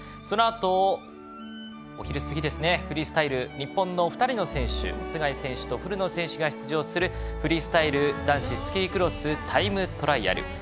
そのあと、お昼過ぎフリースタイル、日本の２選手須貝選手、古野選手が出場するフリースタイル男子スキークロスタイムトライアル。